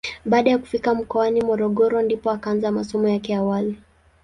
Baada ya kufika mkoani Morogoro ndipo akaanza masomo yake ya awali.